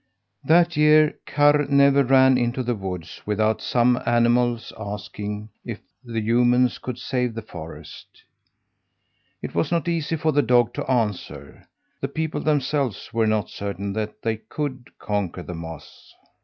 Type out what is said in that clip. That year Karr never ran into the woods without some animal's asking if the humans could save the forest. It was not easy for the dog to answer; the people themselves were not certain that they could conquer the moths.